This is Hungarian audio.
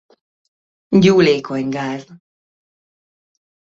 Gyúlékony gáz.